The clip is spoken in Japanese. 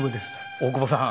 大久保さん。